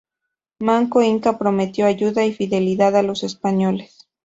Manco Inca prometió ayuda y fidelidad a los españoles.